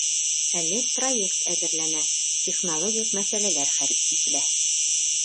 Әле проект әҙерләнә, технологик мәсьәләләр хәл ителә.